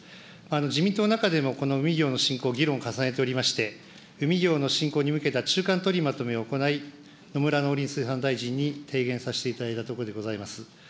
自民党の中でも、この海業の振興、議論重ねておりまして、海業の振興に向けた中間取りまとめを行い、野村農林水産大臣に提言させていただいたところでございます。